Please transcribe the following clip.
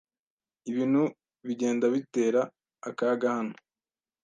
Ibintu bigenda bitera akaga hano.